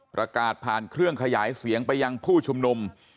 ประกาศผ่านเครื่องขยายเสียงไปยังผู้ชุมนุม